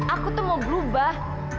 aku tuh mau berubah